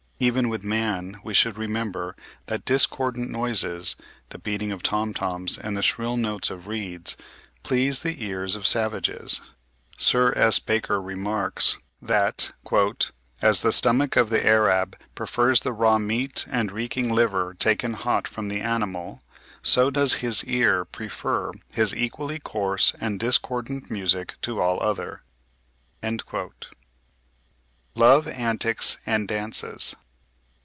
Even with man, we should remember what discordant noises, the beating of tom toms and the shrill notes of reeds, please the ears of savages. Sir S. Baker remarks (58. 'The Nile Tributaries of Abyssinia,' 1867, p. 203.), that "as the stomach of the Arab prefers the raw meat and reeking liver taken hot from the animal, so does his ear prefer his equally coarse and discordant music to all other." LOVE ANTICS AND DANCES.